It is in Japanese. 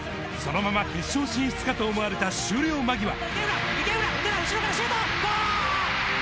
そのまま決勝進出かと思われた終了間際。